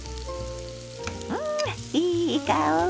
んいい香り！